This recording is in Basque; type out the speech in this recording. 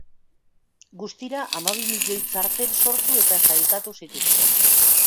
Guztira hamabi milioi txartel sortu eta sailkatu zituzten.